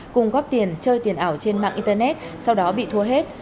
cùng góp tiền chơi tiền ảo trên mạng internet sau đó bị thua hết